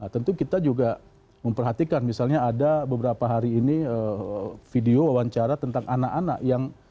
tentu kita juga memperhatikan misalnya ada beberapa hari ini video wawancara tentang anak anak yang